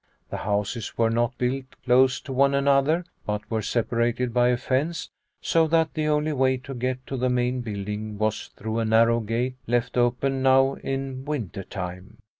The houses were not built close to one another, but were separated by a fence, so that the only way to get to the main building was through a narrow gate left open now in winter time.